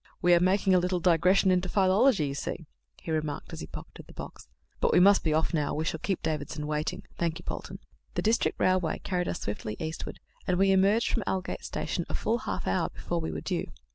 "We are making a little digression into philology, you see," he remarked, as he pocketed the box. "But we must be off now, or we shall keep Davidson waiting. Thank you, Polton." The District Railway carried us swiftly eastward, and we emerged from Aldgate Station a full half hour before we were due.